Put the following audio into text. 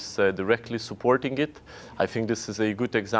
saya pikir ini adalah contoh yang baik di seluruh dunia